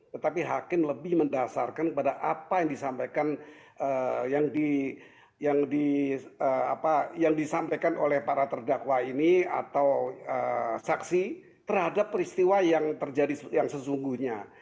tetapi hakim lebih mendasarkan kepada apa yang disampaikan yang disampaikan oleh para terdakwa ini atau saksi terhadap peristiwa yang terjadi yang sesungguhnya